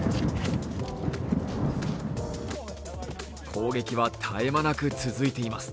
攻撃は、絶え間なく続いています。